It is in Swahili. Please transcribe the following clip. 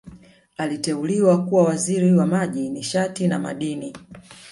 Aliteuliwa kuwa Waziri wa Maji Nishati na Madini